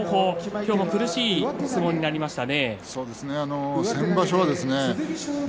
今日も苦しい相撲になりましたね。